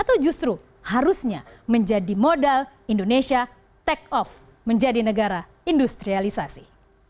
atau justru harusnya menjadi modal indonesia take off menjadi negara industrialisasi